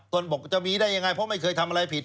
ตนบอกจะมีได้ยังไงเพราะไม่เคยทำอะไรผิด